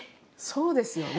そうですよね。